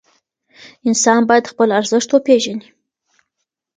انسان باید خپل ارزښت وپېژني.